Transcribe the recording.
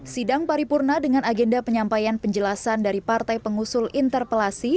sidang paripurna dengan agenda penyampaian penjelasan dari partai pengusul interpelasi